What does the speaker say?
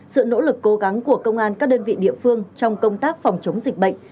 sự nỗ lực cố gắng của công an các đơn vị địa phương trong công tác phòng chống dịch bệnh